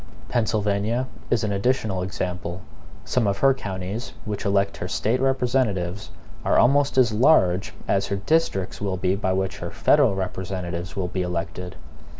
Pennsylvania is an additional example. Some of her counties, which elect her State representatives, are almost as large as her districts will be by which her federal representatives will be elected.